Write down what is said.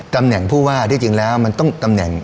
ตำแหน่งผู้ว่าที่จริงแล้วมันต้องตำแหน่ง